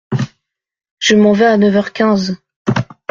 Je m’en vais à neuf heures quinze.